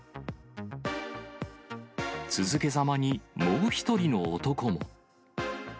続けざまにもう１人の男も。